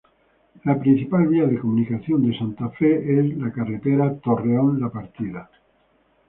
La principal vía de comunicación de Santa Fe es de la Carretera Torreón-La Partida.